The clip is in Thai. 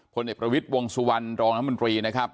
ผลเอกประวิทย์วงสุวรรณรองรัฐมนตรี